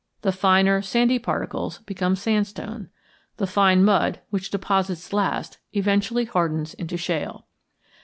The finer sandy particles become sandstone. The fine mud, which deposits last, eventually hardens into shale.